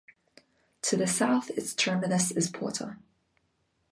To the southeast, its terminus is Porter.